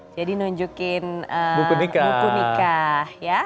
jadi nunjukin buku nikah